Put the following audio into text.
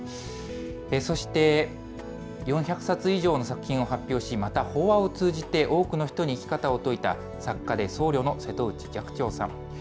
そして４００冊以上の作品を発表し、また、法話を通じて多くの人に生き方を説いた、作家で僧侶の瀬戸内寂聴さん。